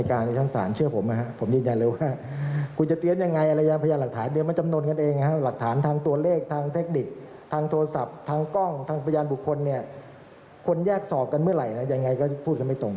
ข้ามคืนอย่างไรก็พูดไม่ตรง